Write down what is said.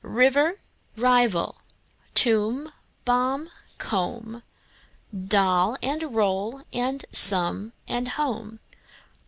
River, rival; tomb, bomb, comb; Doll and roll and some and home.